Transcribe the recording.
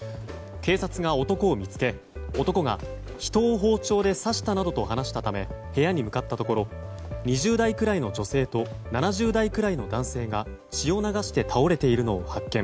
警察が男を見つけ、男が人を包丁で刺したなどと話したため部屋に向かったところ２０代くらいの女性と７０代くらいの男性が血を流して倒れているのを発見。